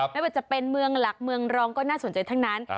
ไม่ว่าจะเป็นเมืองหลักเมืองรองก็น่าสนใจทั้งนั้น